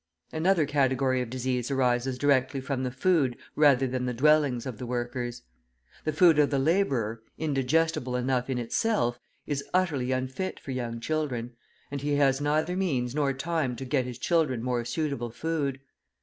Another category of diseases arises directly from the food rather than the dwellings of the workers. The food of the labourer, indigestible enough in itself, is utterly unfit for young children, and he has neither means nor time to get his children more suitable food.